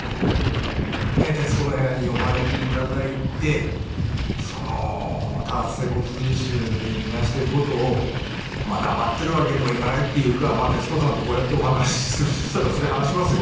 『徹子の部屋』にお招き頂いて多発性骨髄腫に罹患している事を黙っているわけにもいかないっていうか徹子さんとこうやってお話ししたらそりゃ話しますよ。